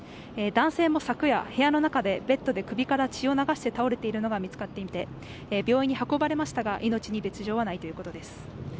男性も昨夜、部屋の中でベッドで首から血を流して倒れているのが見つかっていて病院に運ばれましたが命に別状はないということです。